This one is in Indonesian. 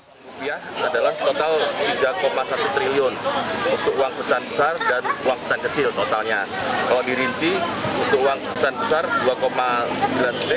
rupiah adalah total tiga satu triliun untuk uang pecahan besar dan uang pecahan kecil totalnya